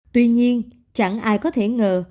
tuy nhiên chẳng ai có thể ngờ